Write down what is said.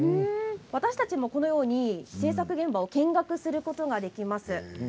私たちもこのように、製作現場を見学することができます。